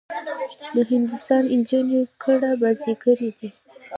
د هندوستان نجونې کړه بازيګرې دي.